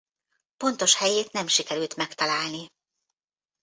Pontos helyét nem sikerült megtalálni.